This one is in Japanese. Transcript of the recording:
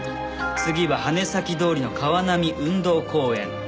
次は「波根崎通りの川並運動公園」。